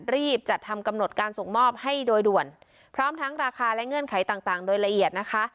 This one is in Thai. รีบจัดทำกำหนดการส่งมอบให้โดยด่วนพร้อมทั้งราคาและเงื่อนไขต่างต่างโดยละเอียดนะคะ